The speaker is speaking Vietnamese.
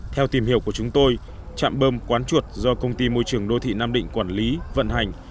theo tìm hiểu của chúng tôi chạm bơm quán chuột do công ty môi trường đô thị nam định quản lý vận hành